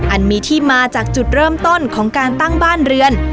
อันมีที่มาจากจุดเริ่มต้นของการตั้งบ้านเรือน